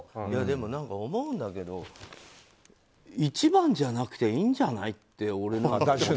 でも、思うんだけど一番じゃなくていいんじゃない？って。